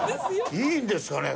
いいんですかね？